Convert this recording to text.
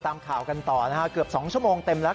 ตามข่าวกันต่อนะฮะเกือบ๒ชั่วโมงเต็มแล้ว